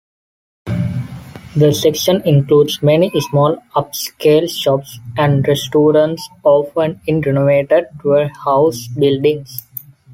The section includes many small, upscale shops and restaurants, often in renovated warehouse buildings.